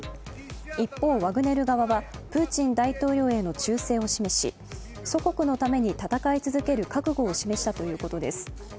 一方、ワグネル側はプーチン大統領への忠誠を示し祖国のために戦い続ける覚悟を示したということです。